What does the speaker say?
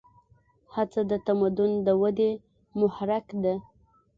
هڅه د تمدن د ودې محرک ده.